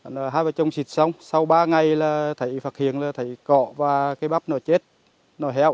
nó hai vài trồng xịt xong sau ba ngày là thấy phát hiện là thấy cỏ và cây bắp nó chết nó héo